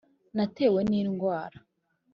natewe n’indwara